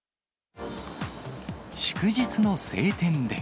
祝日の晴天で。